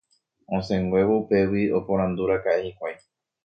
Osẽnguévo upégui oporandúraka'e hikuái